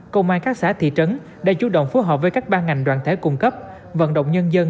công an các xã thị trấn đã chủ động phối hợp với các ban ngành đoàn thể cung cấp vận động nhân dân